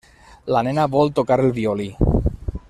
La nena vol tocar el violí.